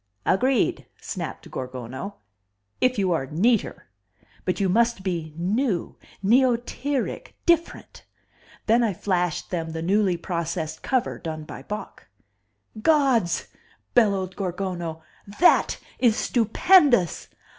"Agreed," snapped Gorgono, "if you are neater. But you must be new, neotiric, different." Then I flashed them the newly processed cover done by Bok. "Gods!" bellowed Gorgono. "That is stupendous!